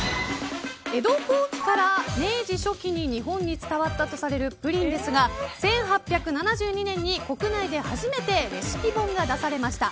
江戸後期から明治初期に日本に伝わったとされるプリンですが、１８７２年に国内で初めてレシピ本が出されました。